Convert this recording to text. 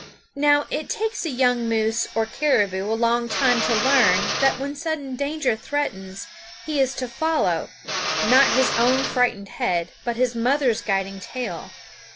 Now it takes a young moose or caribou a long time to learn that when sudden danger threatens he is to follow, not his own frightened head, but his mother's guiding tail.